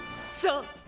そう！